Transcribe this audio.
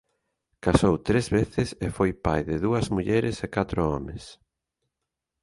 Casou tres veces e foi pai de dúas mulleres e catro homes.